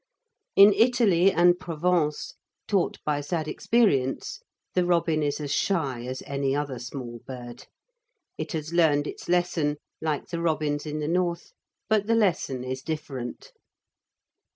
In Italy and Provence, taught by sad experience the robin is as shy as any other small bird. It has learnt its lesson like the robins in the north, but the lesson is different.